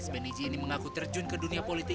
beneran gak nih